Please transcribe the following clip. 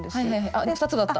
あっ２つだった。